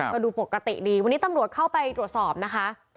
ก็ดูปกติดีวันนี้ตำรวจเข้าไปตรวจสอบนะคะ